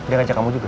dia ngajak kamu juga